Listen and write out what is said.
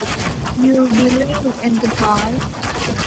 ยูบิลลี่ เอ็นเตอร์ไพรส์